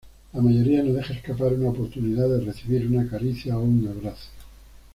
La mayoría no deja escapar una oportunidad de recibir una caricia o un abrazo.